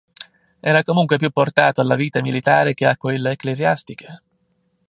Era comunque più portato alla vita militare che a quella ecclesiastica.